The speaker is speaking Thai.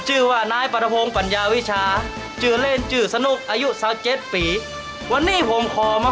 ชื่อว่านายปรัฐพงศ์ปัญญาวิชาชื่อเล่นชื่อสนุกอายุสามเจ็ดปีวันนี้ผมขอมา